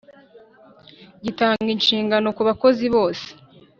gitanga inshingano ku bakozi bose